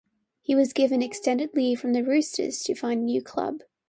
He was given extended leave from the Roosters to find a new club.